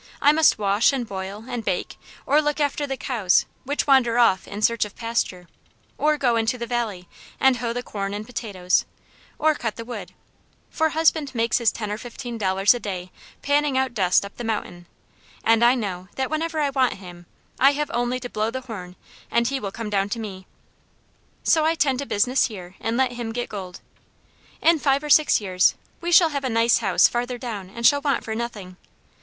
I must wash, and boil, and bake, or look after the cows which wander off in search of pasture; or go into the valley and hoe the corn and potatoes, or cut the wood; for husband makes his ten or fifteen dollars a day panning out dust up the mountain, and I know that whenever I want him I have only to blow the horn and he will come down to me. So I tend to business here and let him get gold. In five or six years we shall have a nice house farther down and shall want for nothing.